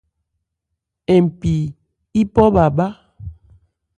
Npi yípɔ bhâ bhá ?